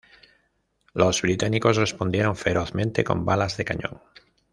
Los británicos respondieron ferozmente con balas de cañón.